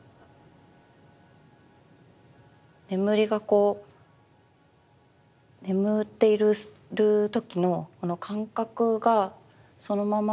眠りがこう眠っている時のこの感覚がそのまま